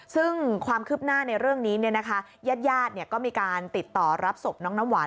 ซึ่งความคืบหน้าในเรื่องนี้ญาติก็มีการติดต่อรับศพน้องน้ำหวาน